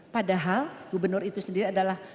padahal gubernur itu sendiri adalah